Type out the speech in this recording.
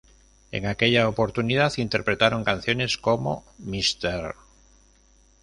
En aquella oportunidad interpretaron canciones como "Mr.